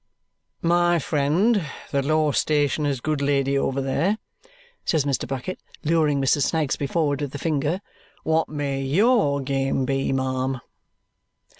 "My friend the law stationer's good lady, over there," says Mr. Bucket, luring Mrs. Snagsby forward with the finger. "What may YOUR game be, ma'am?"